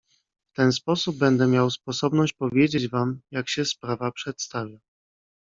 "W ten sposób będę miał sposobność powiedzieć wam, jak się sprawa przedstawia."